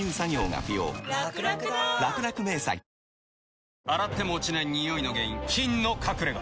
え．．．洗っても落ちないニオイの原因菌の隠れ家。